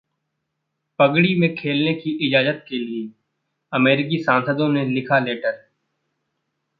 पगड़ी में खेलने की इजाजत के लिए अमेरिकी सांसदों ने लिखा लेटर